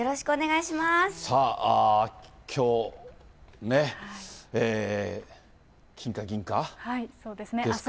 きょうね、そうですね。